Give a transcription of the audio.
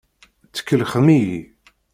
Tkellxem-iyi.